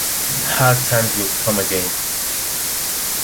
Hard times would come again.